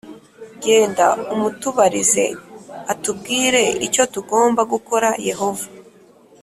Genda umutubarize atubwire icyo tugomba gukora Yehova